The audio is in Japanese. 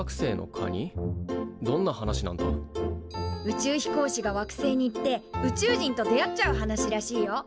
宇宙飛行士が惑星に行って宇宙人と出会っちゃう話らしいよ。